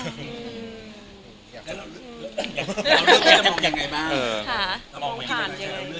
แล้วเราเลือกที่จะมองยังไงบ้าง